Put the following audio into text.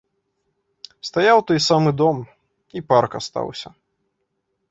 Стаяў той самы дом, і парк астаўся.